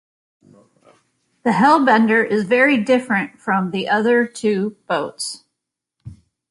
The Hellbender, is very different from the other two boats.